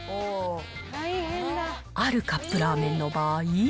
あるカップラーメンの場合。